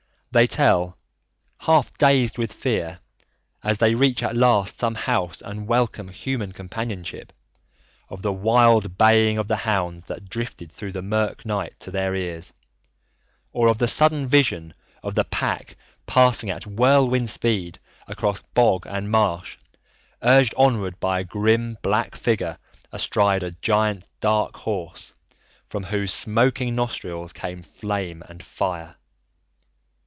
They tell half dazed with fear as they reach at last some house and welcome human companionship, of the wild baying of the hounds that drifted through the murk night to their ears, or of the sudden vision of the pack passing at whirlwind speed across bog and marsh urged onward by a grim black figure astride a giant dark horse from whose smoking nostrils came flame and fire.